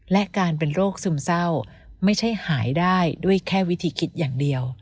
และการเป็นโรคซึมเศร้าไม่ใช่หายได้ด้วยแค่วิธีคิดอย่างเดียว